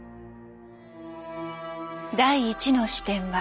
第１の視点は。